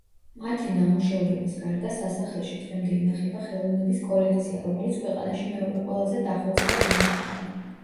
მათი ნამუშევრების გარდა, სასახლეში დღემდე ინახება ხელოვნების კოლექცია, რომელიც ქვეყანაში მეორე ყველაზე დახვეწილად მიიჩნევა.